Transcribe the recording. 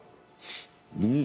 うん。